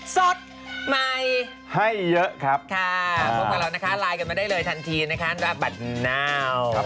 สวัสดีค่ะข้าวใส่ไทยสดใหม่ให้เยอะครับค่ะพบกับเรานะคะไลน์กันมาได้เลยทันทีนะคะระบัดน้าว